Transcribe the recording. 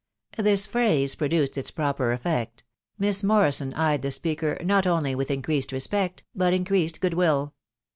This phrase produced its proper effect ; Miss Morrison eyed the speaker not only with increased respect, but increased good will.